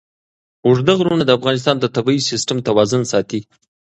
اوږده غرونه د افغانستان د طبعي سیسټم توازن ساتي.